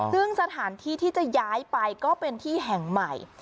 ซึ่งสถานที่ที่จะย้ายไปก็เป็นที่แห่งใหม่